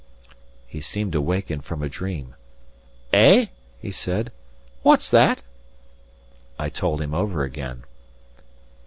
He seemed to waken from a dream. "Eh?" he said. "What's that?" I told him over again.